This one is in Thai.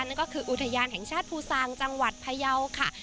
นั่นก็คืออุทยานแห่งชาติภูซางจังหวัดพยาวค่ะ